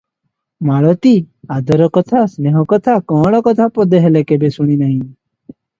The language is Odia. ମାଳତୀ ଆଦର କଥା, ସ୍ନେହ କଥା, କଅଁଳ କଥା ପଦେ ହେଲେ କେବେ ଶୁଣି ନାହିଁ ।